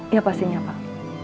ya pastinya pak